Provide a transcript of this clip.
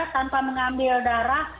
tanpa mengambil darah